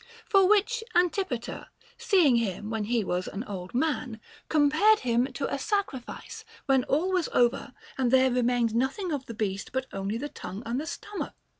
For which cause Antipater, seeing him when he was an old man, compared him to a sacrifice when all was over and there remained nothing of the beast but only the tongue and the stomach.